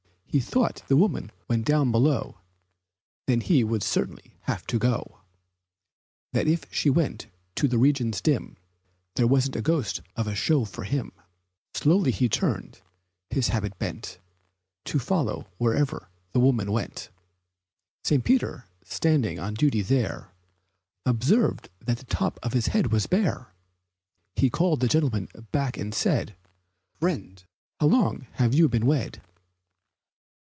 He thought if the woman went down below That he would certainly have to go That if she went to the regions dim There wasn't a ghost of a show for him. Slowly he turned, by habit bent, To follow wherever the woman went. St. Peter, standing on duty there, Observed that the top of his head was bare. He called the gentleman back and said, "Friend, how long have you been wed?"